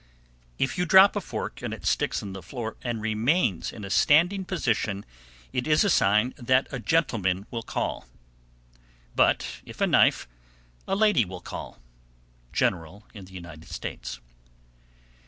_ 756. If you drop a fork, and it sticks in the floor and remains in a standing position, it is a sign that a gentleman will call; but if a knife, a lady will call. _General in the United States.